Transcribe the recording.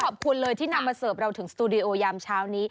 ขอบคุณเลยที่นำมาเสิร์ฟเราถึงสตูดิโอยามเช้านี้